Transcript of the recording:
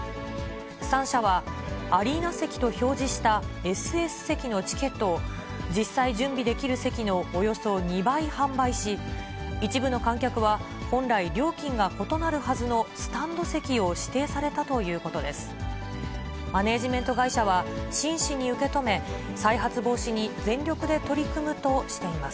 ３社は、アリーナ席と表示したＳＳ席のチケットを、実際準備できる席のおよそ２倍販売し、一部の観客は本来、料金が異なるはずのスタンド席を指定されたということです。